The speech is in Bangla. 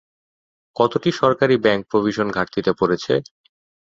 কতটি সরকারি ব্যাংক প্রভিশন ঘাটতিতে পড়েছে?